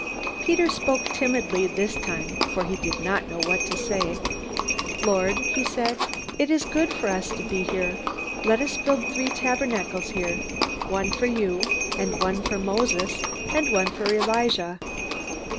Peter spoke timidly this time, for he did not know what to say. "Lord," he said, "it is good for us to be here. Let us build three tabernacles here, one for you, and one for Moses, and one for Elijah."